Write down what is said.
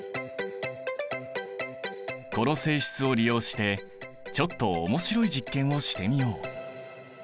この性質を利用してちょっと面白い実験をしてみよう。